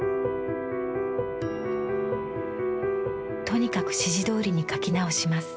とにかく指示どおりに描き直します。